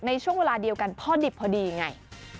ในช่วงเวลาเดียวกันเพราะดิบพอดีอย่างไร